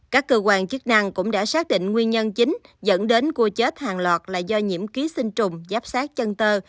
các cơ quan chức năng cũng đã xác định nguyên nhân chính dẫn đến cua chết hàng loạt là do nhiễm ký sinh trùng giáp sát chân tơ